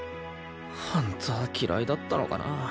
本当は嫌いだったのかな